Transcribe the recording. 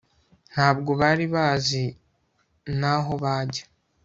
ntabwo bari bazi n'aho bajya